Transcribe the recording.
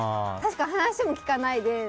確かに、話も聞かないで。